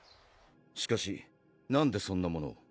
しかしなんでそんなものを？